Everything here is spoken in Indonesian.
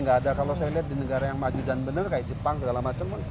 nggak ada kalau saya lihat di negara yang maju dan benar kayak jepang segala macam